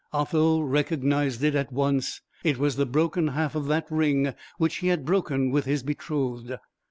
Otho recognised it at once; it was the broken half of that ring which he had broken with his betrothed.